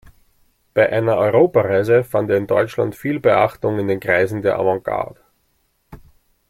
Bei einer Europareise fand er in Deutschland viel Beachtung in den Kreisen der Avantgarde.